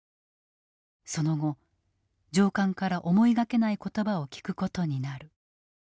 その後上官から思いがけない言葉を聞くことになる。